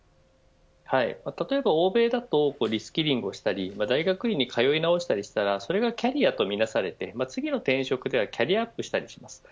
例えば、欧米だとリスキリングをしたり大学院に通い直したりするとそれがキャリアとみなされて次の転職ではキャリアアップしたりします。